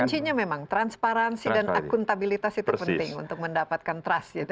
kuncinya memang transparansi dan akuntabilitas itu penting untuk mendapatkan trust